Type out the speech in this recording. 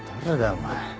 お前。